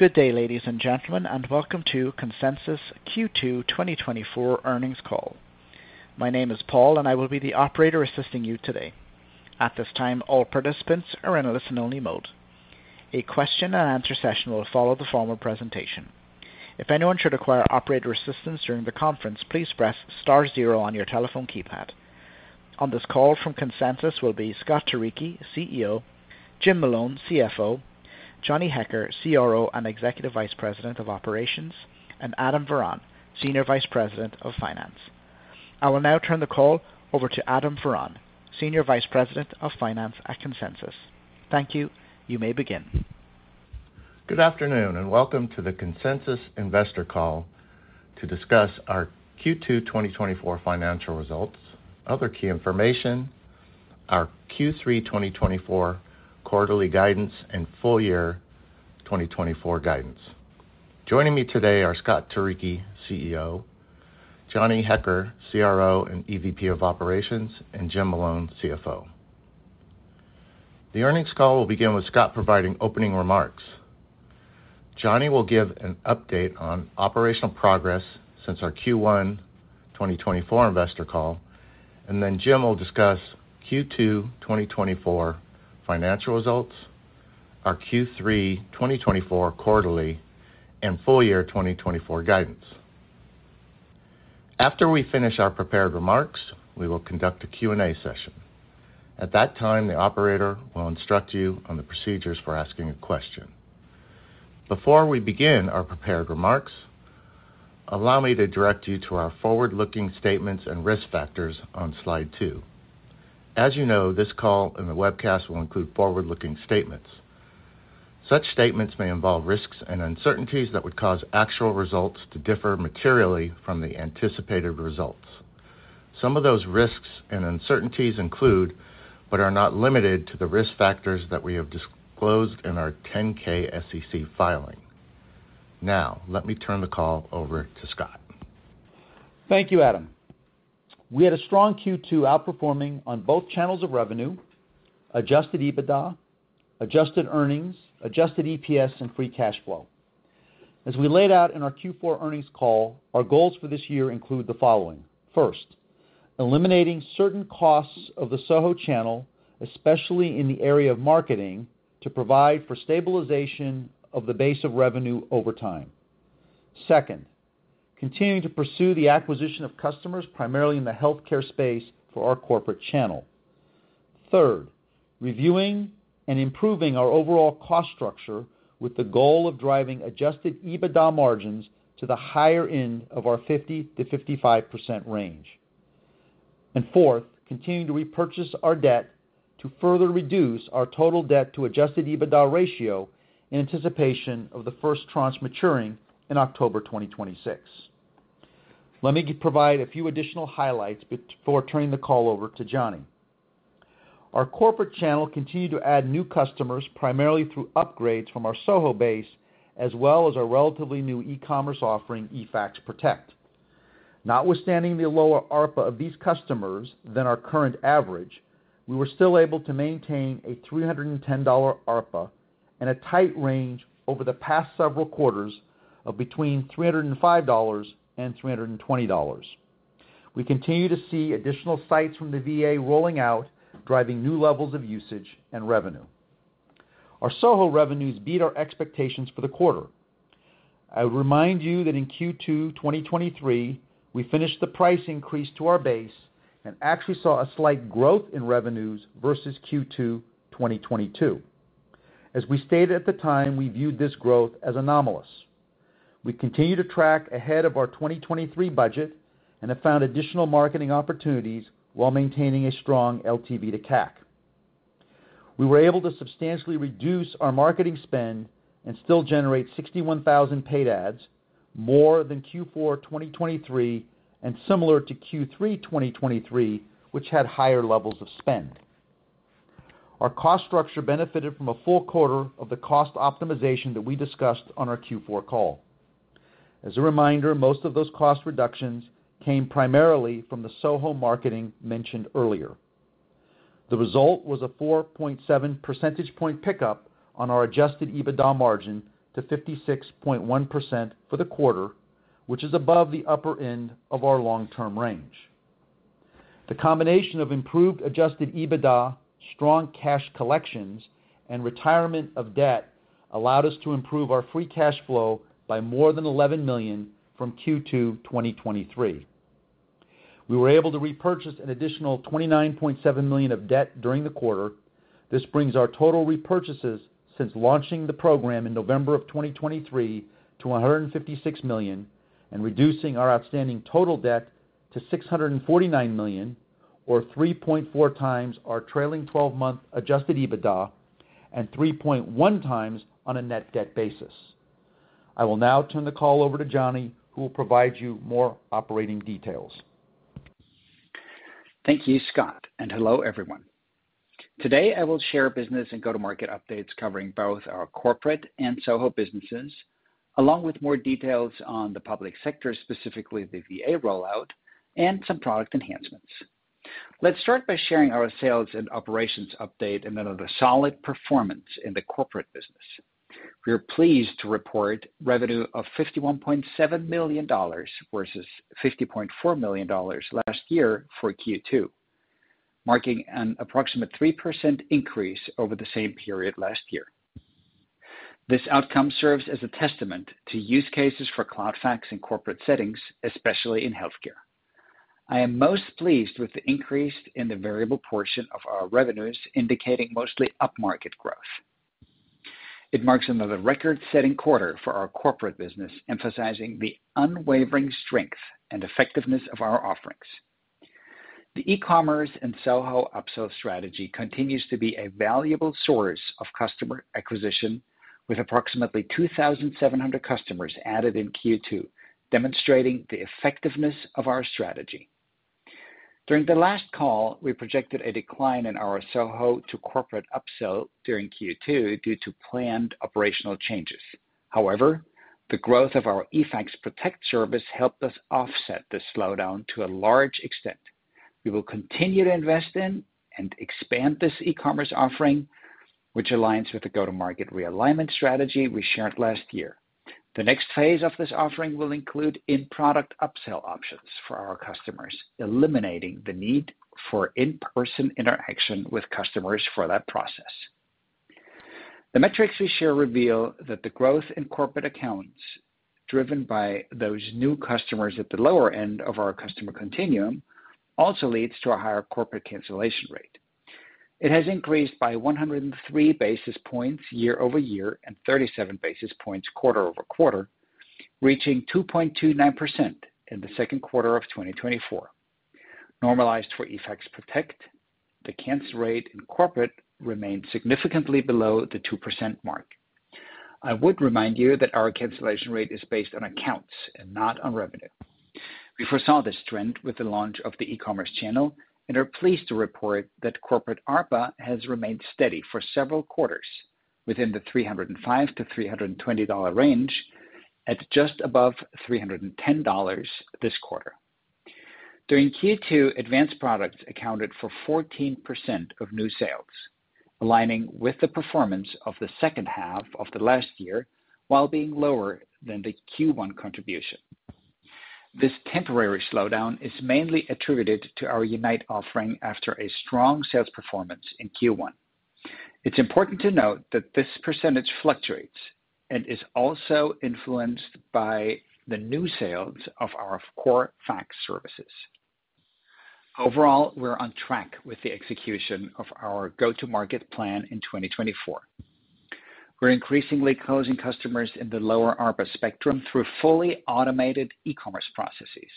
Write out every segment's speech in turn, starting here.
Good day, ladies and gentlemen, and welcome to Consensus Cloud Solutions Q2 2024 earnings call. My name is Paul, and I will be the operator assisting you today. At this time, all participants are in a listen-only mode. A question and answer session will follow the formal presentation. If anyone should require operator assistance during the conference, please press star zero on your telephone keypad. On this call from Consensus Cloud Solutions will be Scott Turicchi, CEO; Jim Malone, CFO; Johnny Hecker, CRO, and Executive Vice President of Operations; and Adam Varon, Senior Vice President of Finance. I will now turn the call over to Adam Varon, Senior Vice President of Finance at Consensus Cloud Solutions. Thank you. You may begin. Good afternoon, and welcome to the Consensus investor call to discuss our Q2 2024 financial results, other key information, our Q3 2024 quarterly guidance, and full year 2024 guidance. Joining me today are Scott Turicchi, CEO, Johnny Hecker, CRO, and EVP of Operations, and Jim Malone, CFO. The earnings call will begin with Scott providing opening remarks. Johnny will give an update on operational progress since our Q1 2024 investor call, and then Jim will discuss Q2 2024 financial results, our Q3 2024 quarterly and full year 2024 guidance. After we finish our prepared remarks, we will conduct a Q&A session. At that time, the operator will instruct you on the procedures for asking a question. Before we begin our prepared remarks, allow me to direct you to our forward-looking statements and risk factors on slide two. As you know, this call and the webcast will include forward-looking statements. Such statements may involve risks and uncertainties that would cause actual results to differ materially from the anticipated results. Some of those risks and uncertainties include, but are not limited to, the risk factors that we have disclosed in our 10-K SEC filing. Now, let me turn the call over to Scott. Thank you, Adam. We had a strong Q2 outperforming on both channels of revenue, Adjusted EBITDA, Adjusted Earnings, Adjusted EPS, and Free Cash Flow. As we laid out in our Q4 earnings call, our goals for this year include the following: First, eliminating certain costs of the SoHo channel, especially in the area of marketing, to provide for stabilization of the base of revenue over time. Second, continuing to pursue the acquisition of customers, primarily in the healthcare space, for our corporate channel. Third, reviewing and improving our overall cost structure with the goal of driving Adjusted EBITDA margins to the higher end of our 50%-55% range. And fourth, continuing to repurchase our debt to further reduce our total debt to Adjusted EBITDA ratio in anticipation of the first tranche maturing in October 2026. Let me provide a few additional highlights before turning the call over to Johnny. Our corporate channel continued to add new customers, primarily through upgrades from our SoHo base, as well as our relatively new e-commerce offering, eFax Protect. Notwithstanding the lower ARPA of these customers than our current average, we were still able to maintain a $310 ARPA and a tight range over the past several quarters of between $305 and $320. We continue to see additional sites from the VA rolling out, driving new levels of usage and revenue. Our SoHo revenues beat our expectations for the quarter. I would remind you that in Q2 2023, we finished the price increase to our base and actually saw a slight growth in revenues versus Q2 2022. As we stated at the time, we viewed this growth as anomalous. We continue to track ahead of our 2023 budget and have found additional marketing opportunities while maintaining a strong LTV to CAC. We were able to substantially reduce our marketing spend and still generate 61,000 paid ads, more than Q4 2023, and similar to Q3 2023, which had higher levels of spend. Our cost structure benefited from a full quarter of the cost optimization that we discussed on our Q4 call. As a reminder, most of those cost reductions came primarily from the SoHo marketing mentioned earlier. The result was a 4.7 percentage point pickup on our adjusted EBITDA margin to 56.1% for the quarter, which is above the upper end of our long-term range. The combination of improved Adjusted EBITDA, strong cash collections, and retirement of debt allowed us to improve our Free Cash Flow by more than $11 million from Q2 2023. We were able to repurchase an additional $29.7 million of debt during the quarter. This brings our total repurchases since launching the program in November 2023 to $156 million, and reducing our outstanding total debt to $649 million, or 3.4x our trailing twelve-month Adjusted EBITDA, and 3.1x on a net debt basis. I will now turn the call over to Johnny, who will provide you more operating details. Thank you, Scott, and hello, everyone. Today, I will share business and go-to-market updates covering both our corporate and SoHo businesses, along with more details on the public sector, specifically the VA rollout and some product enhancements. Let's start by sharing our sales and operations update, another solid performance in the corporate business. We are pleased to report revenue of $51.7 million versus $50.4 million last year for Q2, marking an approximate 3% increase over the same period last year. This outcome serves as a testament to use cases for Cloud Fax in corporate settings, especially in healthcare. I am most pleased with the increase in the variable portion of our revenues, indicating mostly upmarket growth. It marks another record-setting quarter for our corporate business, emphasizing the unwavering strength and effectiveness of our offerings. The e-commerce and SOHO upsell strategy continues to be a valuable source of customer acquisition, with approximately 2,700 customers added in Q2, demonstrating the effectiveness of our strategy. During the last call, we projected a decline in our SoHo to corporate upsell during Q2 due to planned operational changes. However, the growth of our eFax Protect service helped us offset this slowdown to a large extent. We will continue to invest in and expand this e-commerce offering, which aligns with the go-to-market realignment strategy we shared last year. The next phase of this offering will include in-product upsell options for our customers, eliminating the need for in-person interaction with customers for that process. The metrics we share reveal that the growth in corporate accounts, driven by those new customers at the lower end of our customer continuum, also leads to a higher corporate cancellation rate. It has increased by 103 basis points year-over-year, and 37 basis points quarter-over-quarter, reaching 2.29% in the second quarter of 2024. Normalized for eFax Protect, the cancel rate in corporate remains significantly below the 2% mark. I would remind you that our cancellation rate is based on accounts and not on revenue. We foresaw this trend with the launch of the e-commerce channel and are pleased to report that corporate ARPA has remained steady for several quarters within the $305-$320 range, at just above $310 this quarter. During Q2, advanced products accounted for 14% of new sales, aligning with the performance of the second half of the last year, while being lower than the Q1 contribution. This temporary slowdown is mainly attributed to our Unite offering after a strong sales performance in Q1. It's important to note that this percentage fluctuates and is also influenced by the new sales of our core fax services. Overall, we're on track with the execution of our go-to-market plan in 2024. We're increasingly closing customers in the lower ARPA spectrum through fully automated e-commerce processes,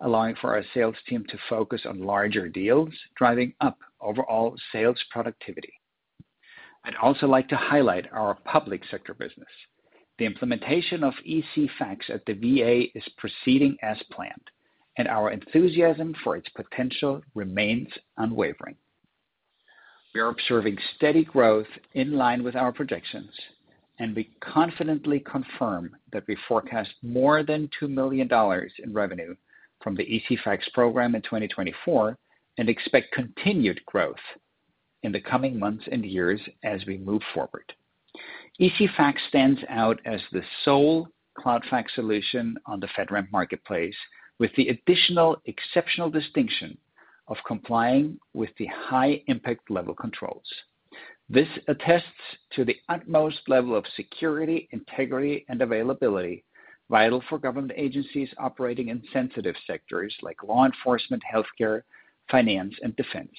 allowing for our sales team to focus on larger deals, driving up overall sales productivity. I'd also like to highlight our public sector business. The implementation of ECFax at the VA is proceeding as planned, and our enthusiasm for its potential remains unwavering. We are observing steady growth in line with our projections, and we confidently confirm that we forecast more than $2 million in revenue from the ECFax program in 2024, and expect continued growth in the coming months and years as we move forward. ECFax stands out as the sole Cloud Fax solution on the FedRAMP marketplace, with the additional exceptional distinction of complying with the high impact level controls. This attests to the utmost level of security, integrity, and availability, vital for government agencies operating in sensitive sectors like law enforcement, healthcare, finance, and defense.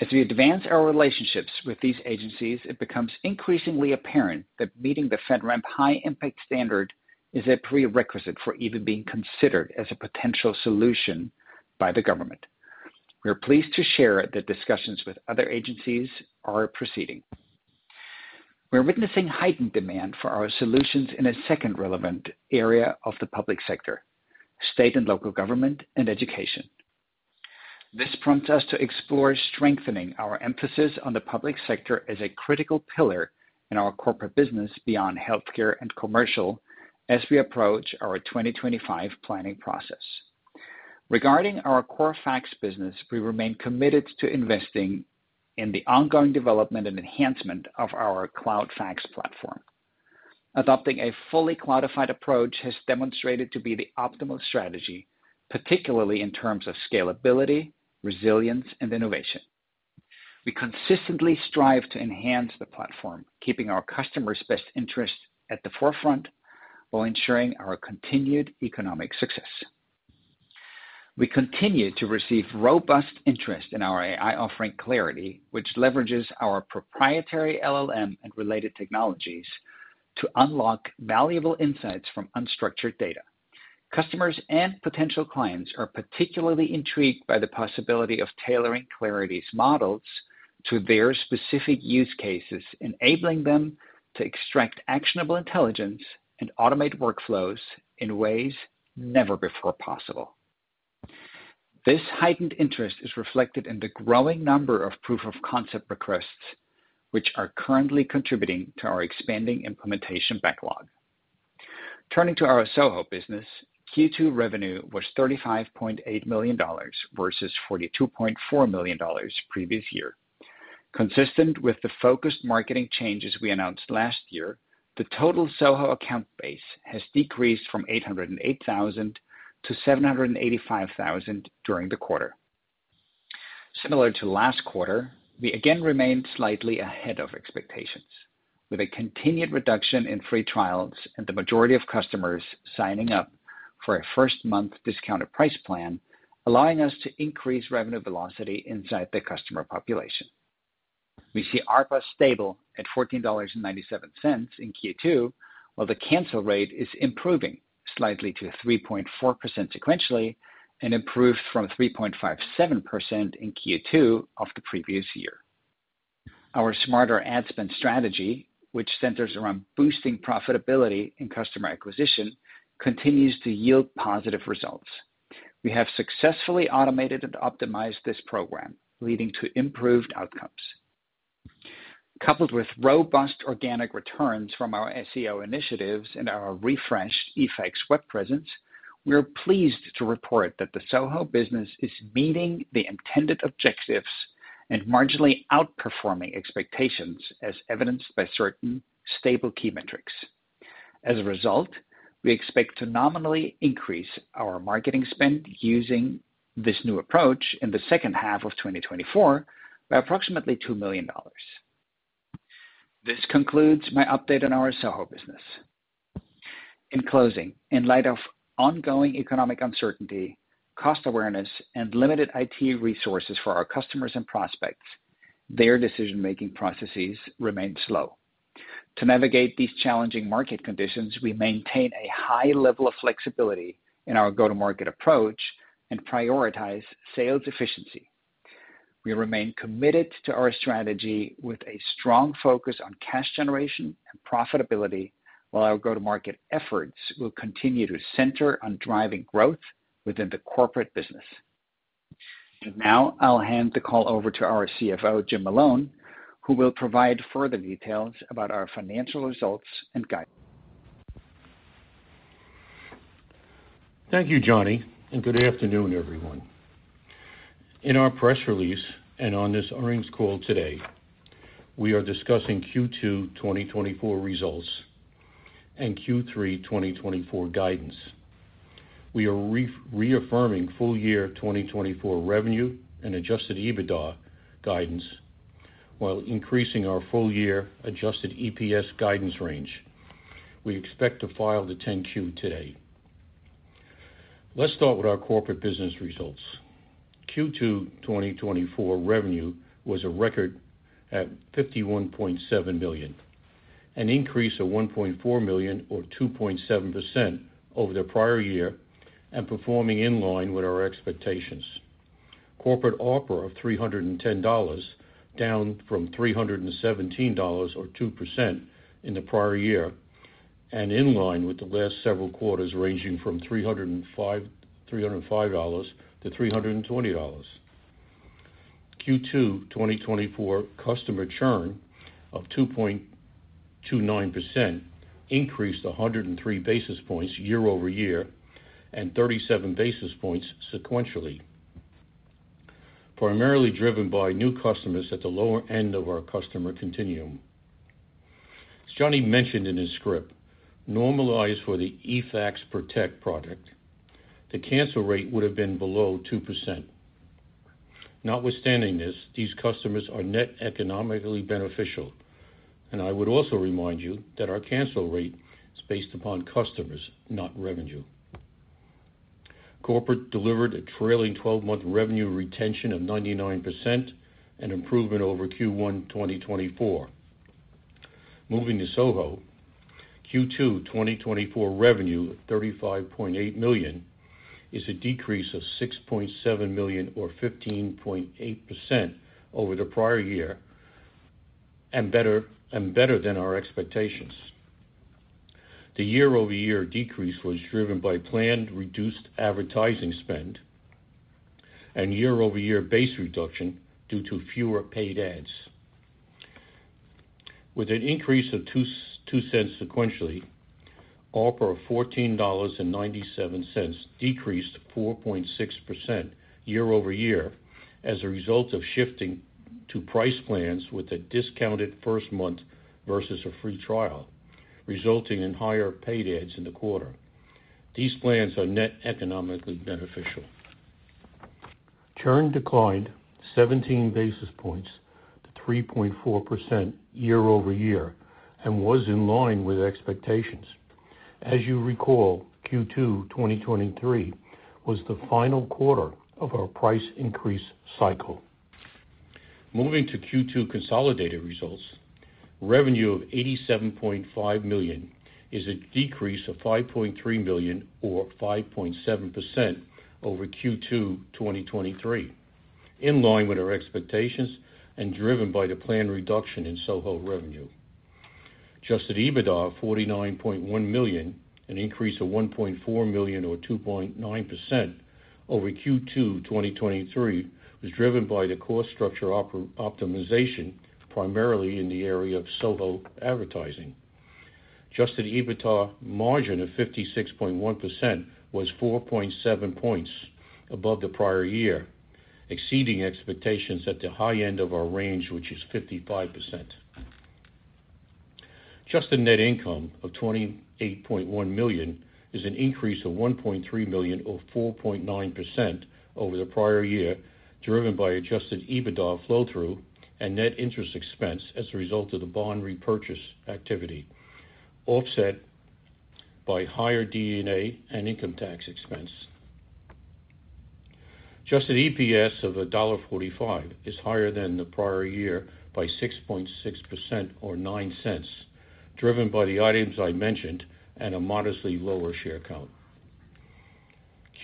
As we advance our relationships with these agencies, it becomes increasingly apparent that meeting the FedRAMP high impact standard is a prerequisite for even being considered as a potential solution by the government. We are pleased to share that discussions with other agencies are proceeding. We're witnessing heightened demand for our solutions in a second relevant area of the public sector: state and local government and education. This prompts us to explore strengthening our emphasis on the public sector as a critical pillar in our corporate business beyond healthcare and commercial, as we approach our 2025 planning process. Regarding our core fax business, we remain committed to investing in the ongoing development and enhancement of our Cloud Fax platform. Adopting a fully cloudified approach has demonstrated to be the optimal strategy, particularly in terms of scalability, resilience, and innovation. We consistently strive to enhance the platform, keeping our customers' best interests at the forefront while ensuring our continued economic success. We continue to receive robust interest in our AI offering, Clarity, which leverages our proprietary LLM and related technologies to unlock valuable insights from unstructured data. Customers and potential clients are particularly intrigued by the possibility of tailoring Clarity's models to their specific use cases, enabling them to extract actionable intelligence and automate workflows in ways never before possible. This heightened interest is reflected in the growing number of proof of concept requests, which are currently contributing to our expanding implementation backlog. Turning to our SoHo business, Q2 revenue was $35.8 million versus $42.4 million previous year. Consistent with the focused marketing changes we announced last year, the total SoHo account base has decreased from 808,000-785,000 during the quarter. Similar to last quarter, we again remained slightly ahead of expectations, with a continued reduction in free trials and the majority of customers signing up for a first-month discounted price plan, allowing us to increase revenue velocity inside the customer population. We see ARPA stable at $14.97 in Q2, while the cancel rate is improving slightly to 3.4% sequentially and improved from 3.57% in Q2 of the previous year. Our smarter ad spend strategy, which centers around boosting profitability in customer acquisition, continues to yield positive results. We have successfully automated and optimized this program, leading to improved outcomes. Coupled with robust organic returns from our SEO initiatives and our refreshed eFax web presence, we are pleased to report that the SoHo business is meeting the intended objectives and marginally outperforming expectations, as evidenced by certain stable key metrics. As a result, we expect to nominally increase our marketing spend using this new approach in the second half of 2024 by approximately $2 million. This concludes my update on our SoHo business. In closing, in light of ongoing economic uncertainty, cost awareness, and limited IT resources for our customers and prospects, their decision-making processes remain slow. To navigate these challenging market conditions, we maintain a high level of flexibility in our go-to-market approach and prioritize sales efficiency. We remain committed to our strategy with a strong focus on cash generation and profitability, while our go-to-market efforts will continue to center on driving growth within the corporate business. And now I'll hand the call over to our CFO, Jim Malone, who will provide further details about our financial results and guidance. Thank you, Johnny, and good afternoon, everyone. In our press release and on this earnings call today, we are discussing Q2 2024 results and Q3 2024 guidance. We are reaffirming full year 2024 revenue and adjusted EBITDA guidance, while increasing our full year adjusted EPS guidance range. We expect to file the 10-Q today. Let's start with our corporate business results. Q2 2024 revenue was a record at $51.7 million, an increase of $1.4 million or 2.7% over the prior year, and performing in line with our expectations. Corporate ARPA of $310, down from $317 or 2% in the prior year, and in line with the last several quarters, ranging from $305-$320. Q2 2024 customer churn of 2.29% increased 103 basis points year-over-year and 37 basis points sequentially, primarily driven by new customers at the lower end of our customer continuum. As Johnny mentioned in his script, normalized for the eFax Protect product, the cancel rate would have been below 2%. Notwithstanding this, these customers are net economically beneficial, and I would also remind you that our cancel rate is based upon customers, not revenue. Corporate delivered a trailing twelve-month revenue retention of 99%, an improvement over Q1 2024. Moving to SoHo, Q2 2024 revenue of $35.8 million is a decrease of $6.7 million or 15.8% over the prior year, and better than our expectations. The year-over-year decrease was driven by planned reduced advertising spend and year-over-year base reduction due to fewer paid ads. With an increase of $0.2 sequentially, ARPA of $14.97 decreased 4.6% year-over-year as a result of shifting to price plans with a discounted first month versus a free trial, resulting in higher paid ads in the quarter. These plans are net economically beneficial. Churn declined 17 basis points to 3.4% year-over-year and was in line with expectations. As you recall, Q2 2023 was the final quarter of our price increase cycle. Moving to Q2 consolidated results, revenue of $87.5 million is a decrease of $5.3 million or 5.7% over Q2 2023, in line with our expectations and driven by the planned reduction in SoHo revenue. Adjusted EBITDA of $49.1 million, an increase of $1.4 million or 2.9% over Q2 2023, was driven by the cost structure optimization, primarily in the area of SoHo advertising. Adjusted EBITDA margin of 56.1% was 4.7 points above the prior year, exceeding expectations at the high end of our range, which is 55%. Adjusted net income of $28.1 million is an increase of $1.3 million, or 4.9% over the prior year, driven by adjusted EBITDA flow-through and net interest expense as a result of the bond repurchase activity, offset by higher D&A and income tax expense. Adjusted EPS of $1.45 is higher than the prior year by 6.6% or $0.09, driven by the items I mentioned and a modestly lower share count.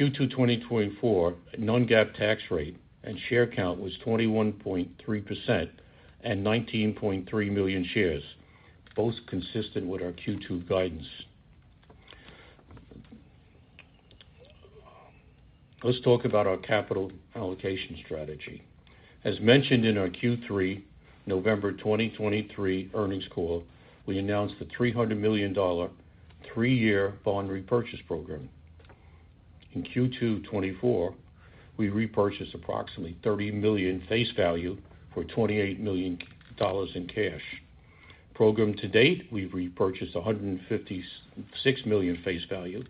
Q2 2024 non-GAAP tax rate and share count was 21.3% and 19.3 million shares, both consistent with our Q2 guidance. Let's talk about our capital allocation strategy. As mentioned in our Q3 November 2023 earnings call, we announced a $300 million three-year bond repurchase program. In Q2 2024, we repurchased approximately $30 million face value for $28 million in cash. Program to date, we've repurchased $156 million face value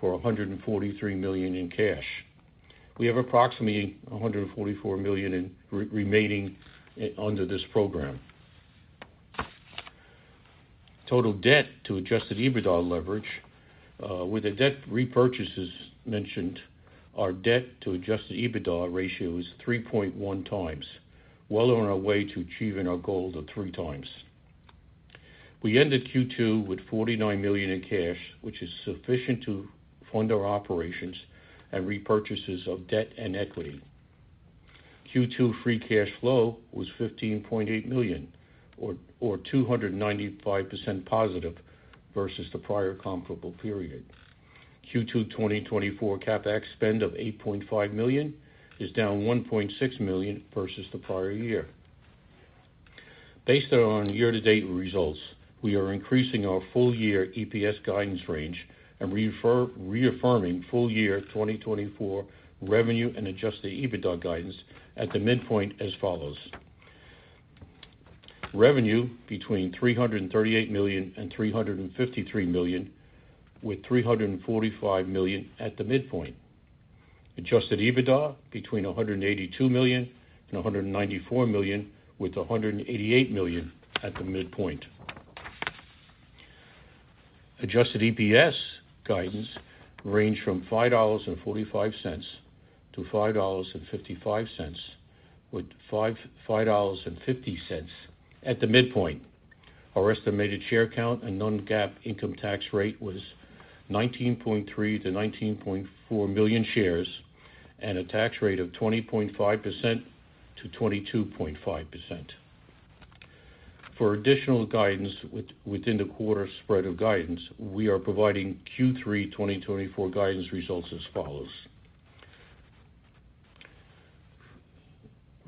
for $143 million in cash. We have approximately $144 million remaining under this program. Total debt to adjusted EBITDA leverage with the debt repurchases mentioned, our debt to adjusted EBITDA ratio is 3.1 times, well on our way to achieving our goal of three times. We ended Q2 with $49 million in cash, which is sufficient to fund our operations and repurchases of debt and equity. Q2 free cash flow was $15.8 million, 295% positive versus the prior comparable period. Q2 2024 CapEx spend of $8.5 million is down $1.6 million versus the prior year. Based on year-to-date results, we are increasing our full-year EPS guidance range and reaffirming full-year 2024 revenue and adjusted EBITDA guidance at the midpoint as follows: Revenue between $338 million and $353 million, with $345 million at the midpoint. Adjusted EBITDA between $182 million and $194 million, with $188 million at the midpoint. Adjusted EPS guidance range from $5.45-$5.55, with $5.50 at the midpoint. Our estimated share count and non-GAAP income tax rate was 19.3-19.4 million shares and a tax rate of 20.5%-22.5%. For additional guidance within the quarter spread of guidance, we are providing Q3 2024 guidance results as follows.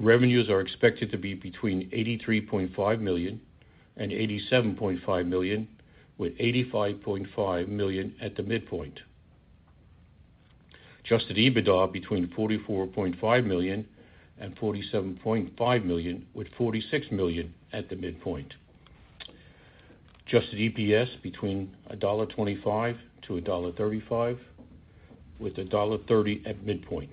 Revenues are expected to be between $83.5 million and $87.5 million, with $85.5 million at the midpoint. Adjusted EBITDA between $44.5 million and $47.5 million, with $46 million at the midpoint. Adjusted EPS between $1.25-$1.35, with $1.30 at midpoint.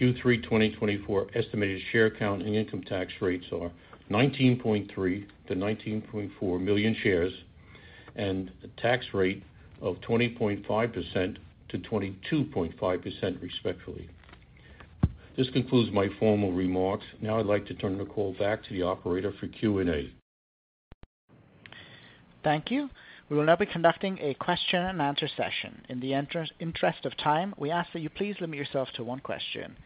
Q3 2024 estimated share count and income tax rates are 19.3-19.4 million shares, and a tax rate of 20.5%-22.5% respectively. This concludes my formal remarks. Now I'd like to turn the call back to the operator for Q&A. Thank you. We will now be conducting a question-and-answer session. In the interest of time, we ask that you please limit yourself to one question.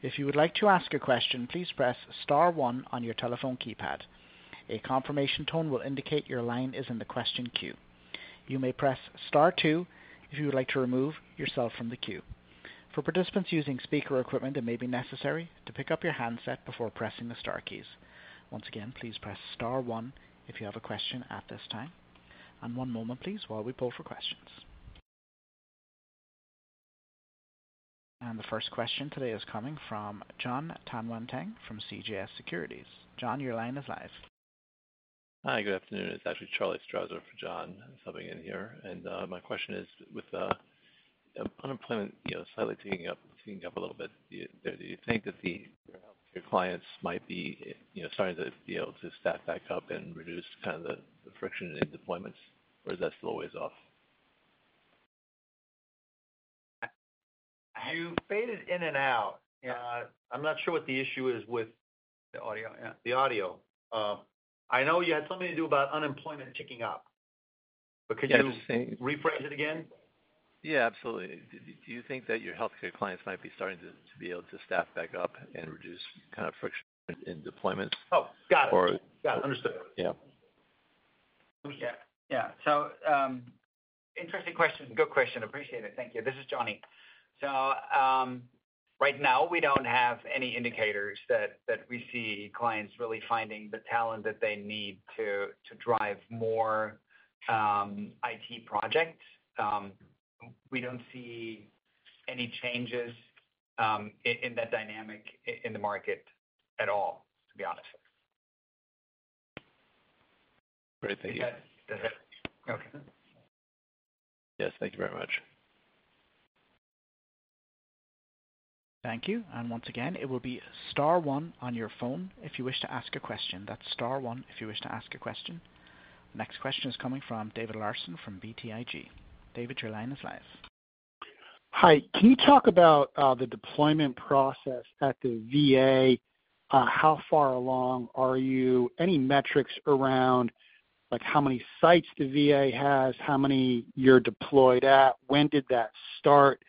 If you would like to ask a question, please press star one on your telephone keypad. A confirmation tone will indicate your line is in the question queue. You may press star two if you would like to remove yourself from the queue. For participants using speaker equipment, it may be necessary to pick up your handset before pressing the star keys. Once again, please press star one if you have a question at this time. One moment, please, while we pull for questions. The first question today is coming from John Tanwanteng from CJS Securities. John, your line is live. Hi, good afternoon. It's actually Charles Strauzer for John, subbing in here. And my question is, with unemployment, you know, slightly teeing up, teeing up a little bit, do you, do you think that the, your healthcare clients might be, you know, starting to be able to staff back up and reduce kind of the, the friction in deployments, or is that still a ways off? You faded in and out. I'm not sure what the issue is with- The audio, yeah. The audio. I know you had something to do about unemployment ticking up, but could you rephrase it again? Yeah, absolutely. Do you think that your healthcare clients might be starting to be able to staff back up and reduce kind of friction in deployments? Oh, got it. Or- Got it. Understood. Yeah. Yeah. Yeah. So, Interesting question. Good question. Appreciate it. Thank you. This is Johnny. So, right now, we don't have any indicators that, that we see clients really finding the talent that they need to, to drive more IT projects. We don't see any changes in that dynamic in the market at all, to be honest. Great. Thank you. Okay. Yes, thank you very much. Thank you. Once again, it will be star one on your phone if you wish to ask a question. That's star one, if you wish to ask a question. Next question is coming from David Larsen from BTIG. David, your line is live. Hi. Can you talk about the deployment process at the VA? How far along are you? Any metrics around, like, how many sites the VA has, how many you're deployed at? When did that start?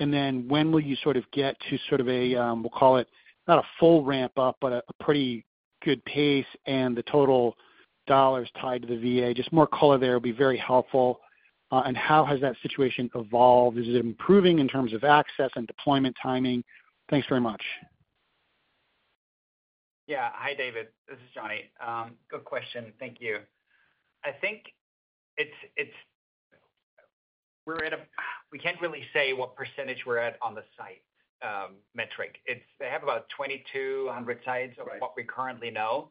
And then when will you sort of get to sort of a, we'll call it, not a full ramp-up, but a pretty good pace and the total dollars tied to the VA? Just more color there will be very helpful. And how has that situation evolved? Is it improving in terms of access and deployment timing? Thanks very much. Yeah. Hi, David, this is Johnny. Good question. Thank you. I think it's-- we're at a... We can't really say what percentage we're at on the site metric. It's-- They have about 2,200 sites- Right. of what we currently know.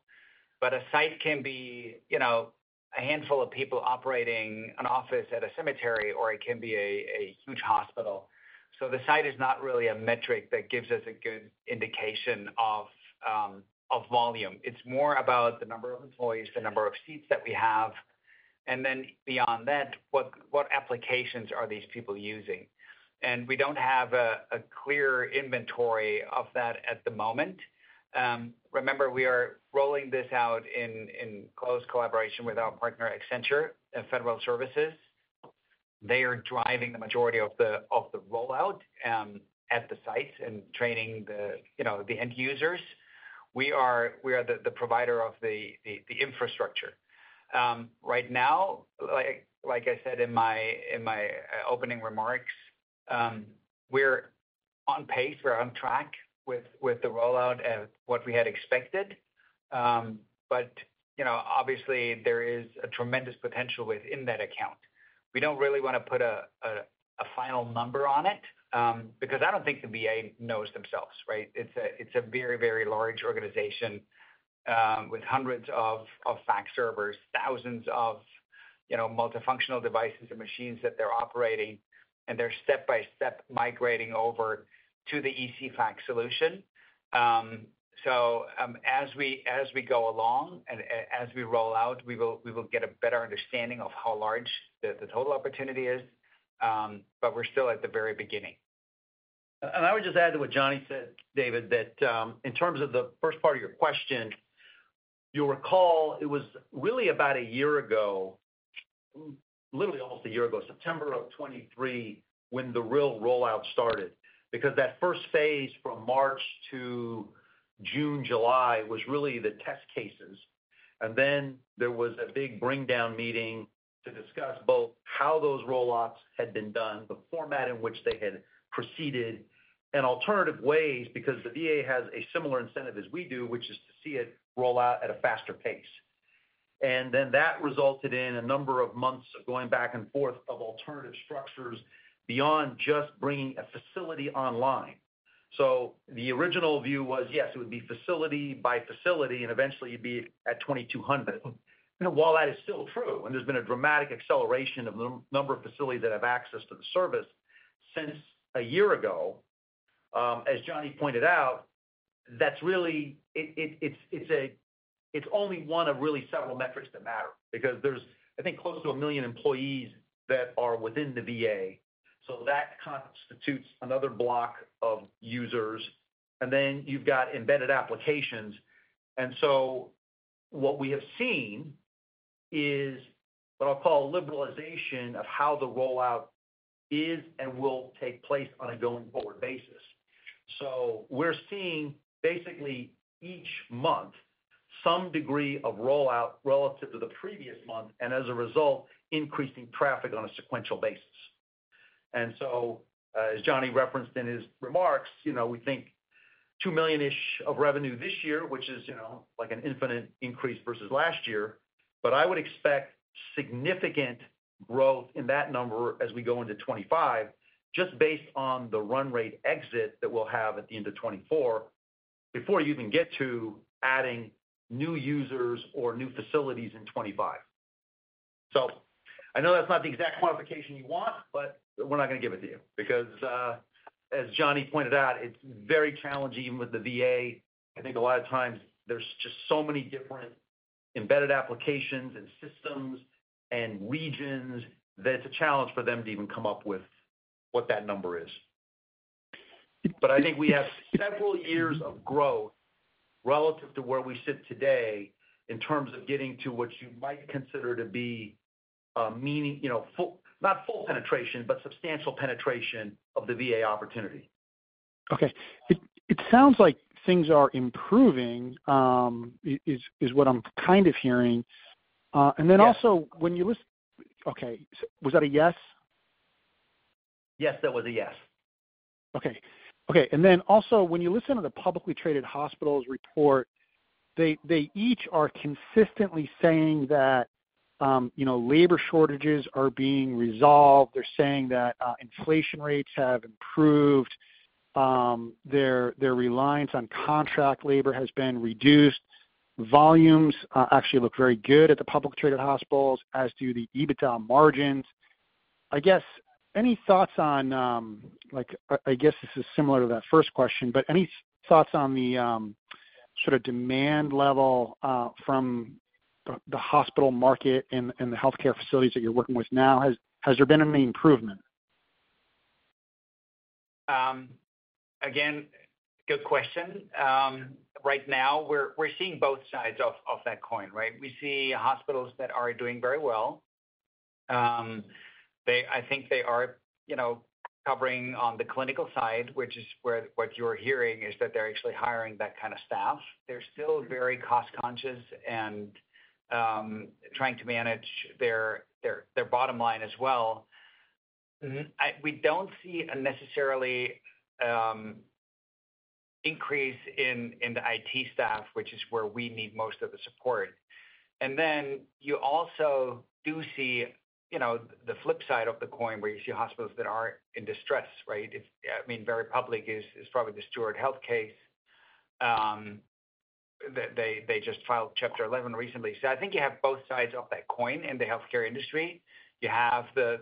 But a site can be, you know, a handful of people operating an office at a cemetery, or it can be a huge hospital. So the site is not really a metric that gives us a good indication of volume. It's more about the number of employees, the number of seats that we have, and then beyond that, what applications are these people using? And we don't have a clear inventory of that at the moment. Remember, we are rolling this out in close collaboration with our partner, Accenture Federal Services. They are driving the majority of the rollout at the sites and training the end users. We are the provider of the infrastructure. Right now, like I said in my opening remarks, we're on pace, we're on track with the rollout at what we had expected. But, you know, obviously, there is a tremendous potential within that account. We don't really wanna put a final number on it, because I don't think the VA knows themselves, right? It's a very, very large organization, with hundreds of fax servers, thousands of you know multifunctional devices and machines that they're operating, and they're step-by-step migrating over to the ECFax solution. So, as we go along and as we roll out, we will get a better understanding of how large the total opportunity is, but we're still at the very beginning. And I would just add to what Johnny said, David, that, in terms of the first part of your question, you'll recall it was really about a year ago, literally almost a year ago, September of 2023, when the real rollout started. Because that first phase from March-June, July was really the test cases. And then there was a big bring down meeting to discuss both how those rollouts had been done, the format in which they had proceeded, and alternative ways, because the VA has a similar incentive as we do, which is to see it roll out at a faster pace. And then that resulted in a number of months of going back and forth of alternative structures beyond just bringing a facility online. So the original view was, yes, it would be facility by facility, and eventually, you'd be at 2,200. And while that is still true, and there's been a dramatic acceleration of number of facilities that have access to the service, since a year ago, as Johnny pointed out, that's really. It's only one of really several metrics that matter, because there's, I think, close to a million employees that are within the VA, so that constitutes another block of users, and then you've got embedded applications. And so what we have seen is what I'll call a liberalization of how the rollout is and will take place on a going-forward basis. So we're seeing basically each month, some degree of rollout relative to the previous month, and as a result, increasing traffic on a sequential basis. And so, as Johnny referenced in his remarks, you know, we think $2 million-ish of revenue this year, which is, you know, like an infinite increase versus last year. But I would expect significant growth in that number as we go into 2025, just based on the run rate exit that we'll have at the end of 2024, before you even get to adding new users or new facilities in 2025. So I know that's not the exact quantification you want, but we're not gonna give it to you. Because, as Johnny pointed out, it's very challenging with the VA. I think a lot of times there's just so many different embedded applications and systems and regions, that it's a challenge for them to even come up with what that number is. But I think we have several years of growth relative to where we sit today, in terms of getting to what you might consider to be, meaning, you know, full, not full penetration, but substantial penetration of the VA opportunity.... Okay. It sounds like things are improving, is what I'm kind of hearing. And then- Yes. Also, when you listen-- Okay, was that a yes? Yes, that was a yes. Okay. Okay, and then also, when you listen to the publicly traded hospitals report, they, they each are consistently saying that, you know, labor shortages are being resolved. They're saying that, inflation rates have improved. Their, their reliance on contract labor has been reduced. Volumes, actually look very good at the publicly traded hospitals, as do the EBITDA margins. I guess, any thoughts on, like, I guess this is similar to that first question, but any thoughts on the, sort of demand level, from the, the hospital market and, and the healthcare facilities that you're working with now? Has there been any improvement? Again, good question. Right now, we're seeing both sides of that coin, right? We see hospitals that are doing very well. I think they are, you know, covering on the clinical side, which is where what you're hearing, is that they're actually hiring that kind of staff. They're still very cost conscious and, trying to manage their bottom line as well. Mm-hmm. We don't see a necessarily increase in the IT staff, which is where we need most of the support. And then you also do see, you know, the flip side of the coin, where you see hospitals that are in distress, right? It's, I mean, very public, probably the Steward Health case. They just filed Chapter Eleven recently. So I think you have both sides of that coin in the healthcare industry. You have the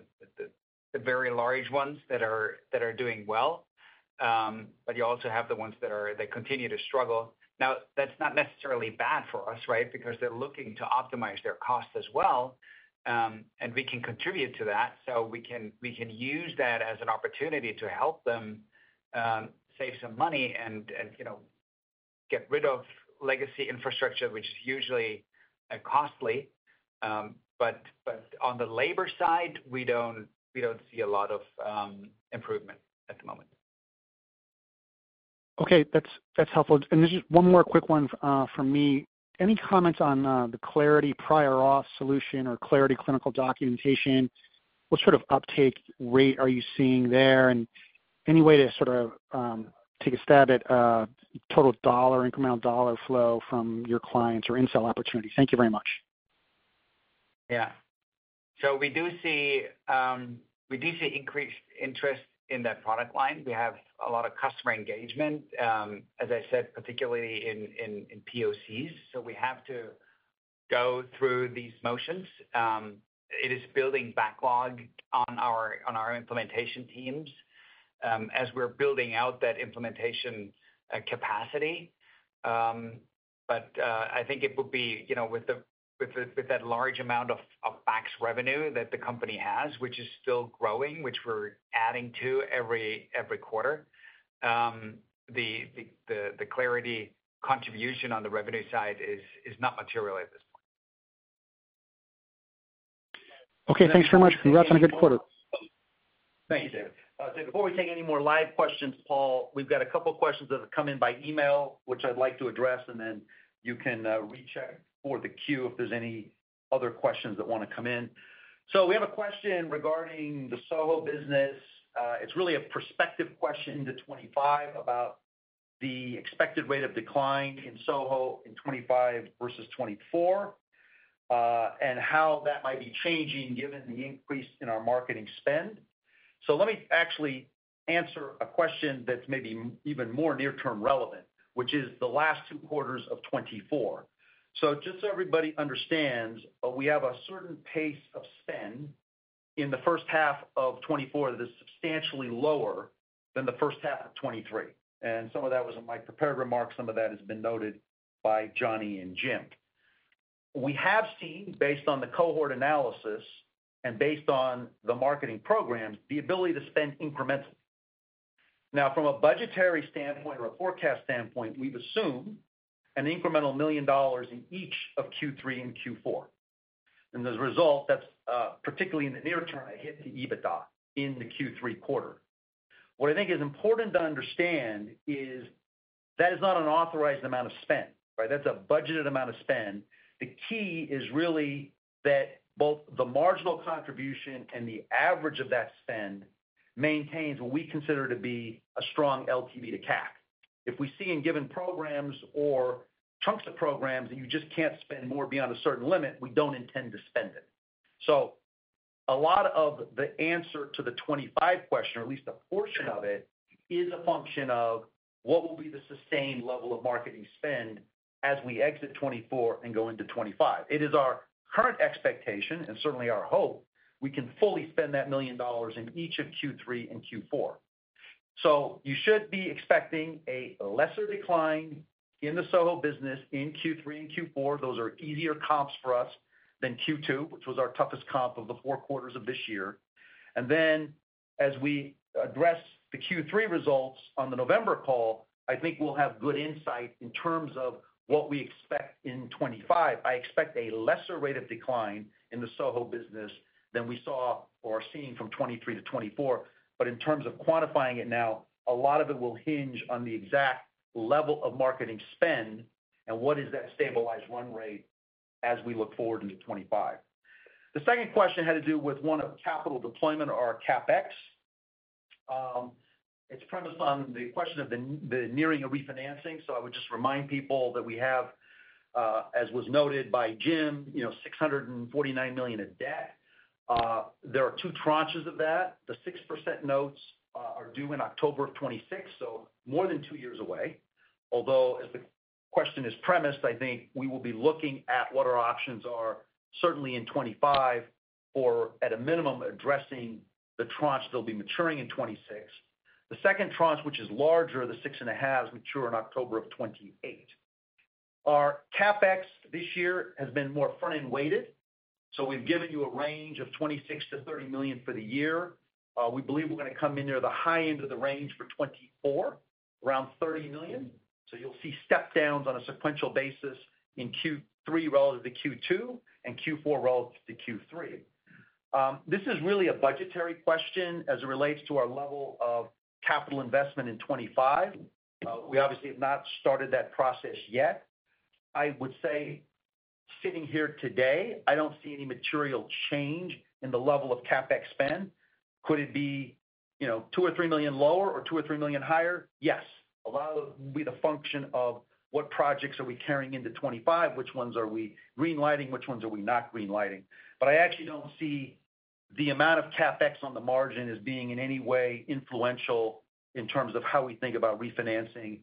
very large ones that are doing well, but you also have the ones that continue to struggle. Now, that's not necessarily bad for us, right? Because they're looking to optimize their costs as well, and we can contribute to that. So we can use that as an opportunity to help them, save some money and, you know, get rid of legacy infrastructure, which is usually costly. But on the labor side, we don't see a lot of improvement at the moment. Okay, that's, that's helpful. This is one more quick one from me. Any comments on the Clarity prior auth solution or Clarity clinical documentation? What sort of uptake rate are you seeing there? Any way to sort of take a stab at total dollar, incremental dollar flow from your clients or in-sell opportunities? Thank you very much. Yeah. So we do see, we do see increased interest in that product line. We have a lot of customer engagement, as I said, particularly in POCs, so we have to go through these motions. It is building backlog on our implementation teams, as we're building out that implementation capacity. But I think it will be, you know, with that large amount of fax revenue that the company has, which is still growing, which we're adding to every quarter, the Clarity contribution on the revenue side is not material at this point. Okay, thanks very much, and congrats on a good quarter. Thank you, David. So before we take any more live questions, Paul, we've got a couple questions that have come in by email, which I'd like to address, and then you can recheck for the queue if there's any other questions that want to come in. So we have a question regarding the SoHo business. It's really a perspective question to 2025 about the expected rate of decline in SoHo in 2025 versus 2024, and how that might be changing, given the increase in our marketing spend. So let me actually answer a question that's maybe even more near term relevant, which is the last two quarters of 2024. Just so everybody understands, we have a certain pace of spend in the first half of 2024 that is substantially lower than the first half of 2023, and some of that was in my prepared remarks, some of that has been noted by Johnny and Jim. We have seen, based on the cohort analysis and based on the marketing programs, the ability to spend incrementally. Now, from a budgetary standpoint or a forecast standpoint, we've assumed an incremental $1 million in each of Q3 and Q4. And as a result, that's particularly in the near term it hit the EBITDA in the Q3 quarter. What I think is important to understand is that is not an authorized amount of spend, right? That's a budgeted amount of spend. The key is really that both the marginal contribution and the average of that spend maintains what we consider to be a strong LTV to CAC. If we see in given programs or chunks of programs, that you just can't spend more beyond a certain limit, we don't intend to spend it. So a lot of the answer to the 25 question, or at least a portion of it, is a function of what will be the sustained level of marketing spend as we exit 2024 and go into 2025. It is our current expectation, and certainly our hope, we can fully spend that $1 million in each of Q3 and Q4. So you should be expecting a lesser decline in the SoHo business in Q3 and Q4. Those are easier comps for us than Q2, which was our toughest comp of the four quarters of this year. As we address the Q3 results on the November call, I think we'll have good insight in terms of what we expect in 2025. I expect a lesser rate of decline in the SoHo business than we saw or are seeing from 2023 to 2024. In terms of quantifying it now, a lot of it will hinge on the exact level of marketing spend. What is that stabilized run rate as we look forward into 2025? The second question had to do with one of capital deployment or CapEx. It's premised on the question of the nearing of refinancing. I would just remind people that we have, as was noted by Jim, you know, $649 million of debt. There are two tranches of that. The 6% notes are due in October 2026, so more than two years away. Although, as the question is premised, I think we will be looking at what our options are, certainly in 2025, or at a minimum, addressing the tranches that'll be maturing in 2026. The second tranche, which is larger, the 6.5s, mature in October 2028. Our CapEx this year has been more front-end weighted, so we've given you a range of $26 million-$30 million for the year. We believe we're gonna come in near the high end of the range for 2024, around $30 million. So you'll see step downs on a sequential basis in Q3 relative to Q2, and Q4 relative to Q3. This is really a budgetary question as it relates to our level of capital investment in 2025. We obviously have not started that process yet. I would say, sitting here today, I don't see any material change in the level of CapEx spend. Could it be, you know, $2 million or $3 million lower or $2 million or $3 million higher? Yes. A lot of it will be the function of what projects are we carrying into 2025, which ones are we green lighting, which ones are we not green lighting? But I actually don't see the amount of CapEx on the margin as being in any way influential in terms of how we think about refinancing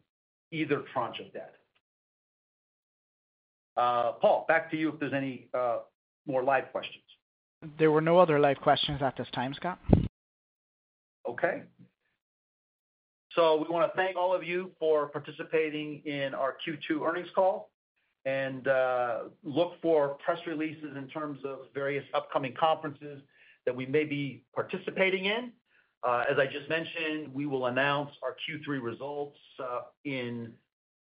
either tranche of debt. Paul, back to you if there's any, more live questions. There were no other live questions at this time, Scott. Okay. So we wanna thank all of you for participating in our Q2 earnings call, and look for press releases in terms of various upcoming conferences that we may be participating in. As I just mentioned, we will announce our Q3 results in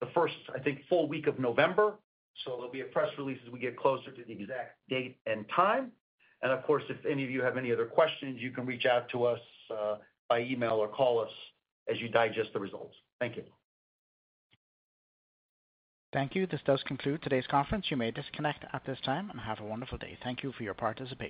the first, I think, full week of November, so there'll be a press release as we get closer to the exact date and time. And of course, if any of you have any other questions, you can reach out to us by email or call us as you digest the results. Thank you. Thank you. This does conclude today's conference. You may disconnect at this time, and have a wonderful day. Thank you for your participation.